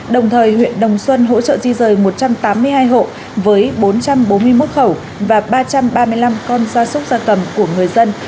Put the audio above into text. đồng thời huyện đồng xuân hỗ trợ di rời một trăm tám mươi hai hộ với bốn trăm bốn mươi một khẩu và ba trăm ba mươi năm con da súc da cầm của người dân